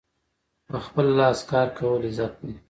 په خپل لاس کار کول عزت دی.